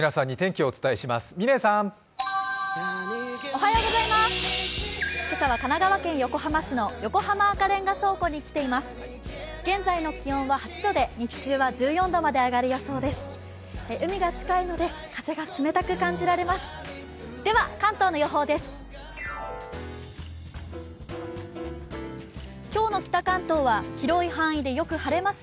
海が近いので風が冷たく感じられます。